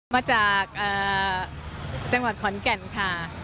มาจากจังหวัดขอนแก่นค่ะ